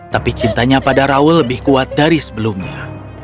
tapi cintanya pada raul lebih kuat dari sebelumnya